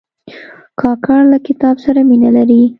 کاکړ له کتاب سره مینه لري.